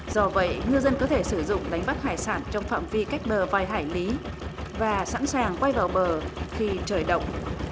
do vậy ngư dân có thể sử dụng đánh bắt hải sản trong phạm vi cách bờ vài hải lý và sẵn sàng quay vào bờ khi trời động